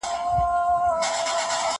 زه مخکي کتابتون ته راتلی و،